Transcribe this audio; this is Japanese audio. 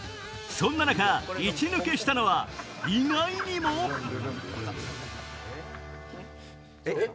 そんな中一抜けしたのは意外にもえっ？